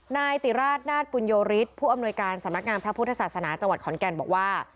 นายติราชนาศปุญโยฤทธิ์ผู้อำนวยการสำนักงานพระพุทธศาสนาจังหวัดขอนแก่นบอกว่า